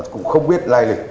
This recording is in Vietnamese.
cũng không biết lai lịch